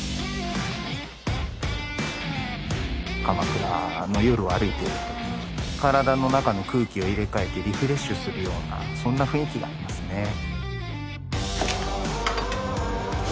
鎌倉の夜を歩いていると体の中の空気を入れ替えてリフレッシュするようなそんな雰囲気がありますね。